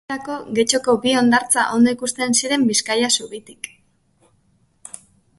Esate baterako, Getxoko bi hondartza ondo ikusten ziren Bizkaia zubitik.